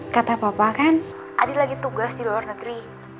kata papa kan adik lagi tugas di luar negeri